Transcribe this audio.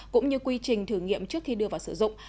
cũng như quy trình thử nghiệm trước khi đưa vào sử dụng